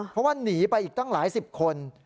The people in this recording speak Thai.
เพราะว่าหนีไปอีกตั้งหลายสิบคน